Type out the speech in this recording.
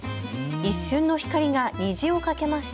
一瞬の光が虹をかけました。